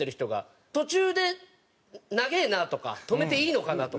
途中で「長えな！」とか止めていいのかな？とか。